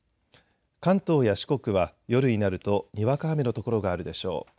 関東や四国は夜になるとにわか雨の所があるでしょう。